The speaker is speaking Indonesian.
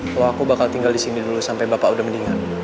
kalau aku bakal tinggal disini dulu sampai bapak udah mendingan